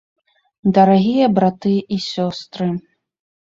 Дарагія браты і сёстры!